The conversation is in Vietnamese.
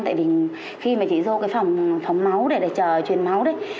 tại vì khi mà chị vô cái phòng phóng máu để chờ truyền máu đấy